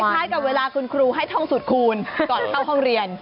คล้ายกับเวลาคุณครูให้ท่องสูตรคูณก่อนเข้าห้องเรียน